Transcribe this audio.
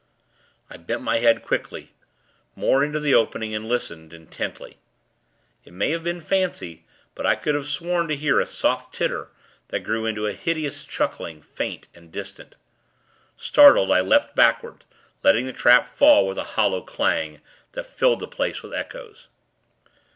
I bent my head, quickly, more into the opening, and listened, intently. It may have been fancy; but I could have sworn to hearing a soft titter, that grew into a hideous, chuckling, faint and distant. Startled, I leapt backward, letting the trap fall, with a hollow clang, that filled the place with echoes.